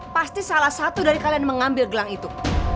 pasti salah satu dari kalian mengambil gelang itu